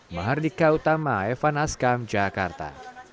mahardika utama evan askam jakarta